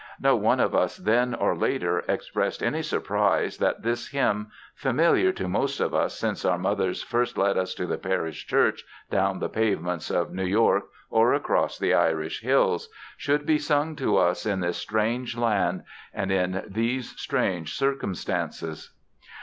Not one of us then or later expressed any surprise that this hymn, familiar to most of us since our mothers first led us to the Parish Church down the pavements of New York or across the Irish hills, should be sung to us in this strange land and in these strange circumstances.